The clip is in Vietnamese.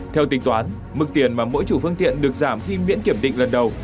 theo tính toán mức tiền mà mỗi chủ phương tiện được giảm khi miễn kiểm định lần đầu